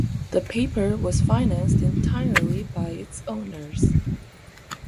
The paper was financed entirely by its owners.